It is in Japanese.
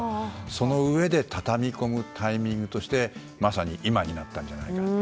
そのうえで畳み込むタイミングとしてまさに今になったんじゃないかなと。